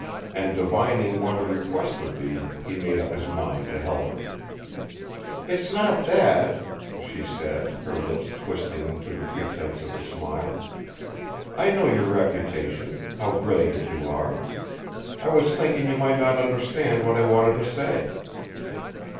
And, divining what her request would be, he made up his mind to help her. "It's not that," she said, her lips twisting to the pretence of a smile. "I know your reputation how brilliant you are. I was thinking you might not understand what I wanted to say."